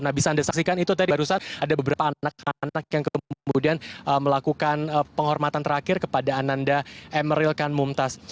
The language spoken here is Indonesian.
nah bisa anda saksikan itu tadi saat ada beberapa anak anak yang kemudian melakukan penghormatan terakhir kepada ananda emeril kan mumtaz